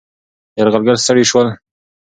یرغلګر ستړي شول.